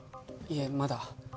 いえまだ